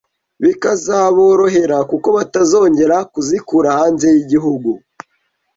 bikazaborohera kuko batazongera kuzikura hanze y’igihugu